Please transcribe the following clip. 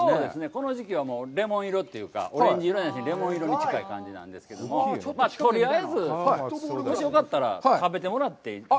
この時期は、レモン色というか、オレンジ色じゃなしにレモン色に近い感じなんですけど、とりあえず、もしよかったら、食べてもらって。